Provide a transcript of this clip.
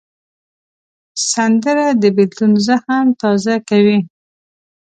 سندره د بېلتون زخم تازه کوي